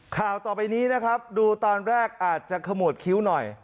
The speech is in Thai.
ข่าวต่อไปนี้นะครับดูตอนแรกอาจจะขมวดคิ้วหน่อย